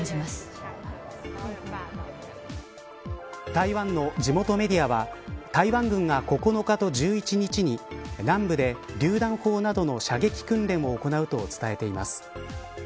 台湾の地元メディアは台湾軍が９日と１１日に南部で、りゅう弾砲などの射撃訓練を行うと伝えています。